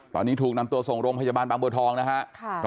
ตอนนี้ถูกนำตัวส่งโรงพยาบาลบางบัวทองนะครับ